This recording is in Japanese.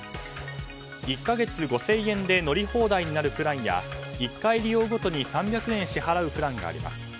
１か月５０００円で乗り放題になるプランや１回利用ごとに３００円支払うプランがあります。